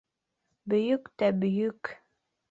Бөйөк тә бөйөк...